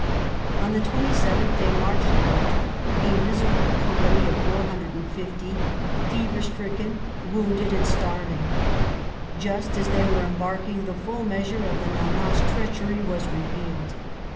On the 27th they marched out, a miserable company of 450, fever stricken, wounded, and starving. Just as they were embarking the full measure of the Nan^'s treachery was revealed.